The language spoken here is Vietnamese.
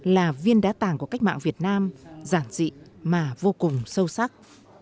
là viên đá tàng của cách mạng việt nam giản dị mà vô cùng sâu sắc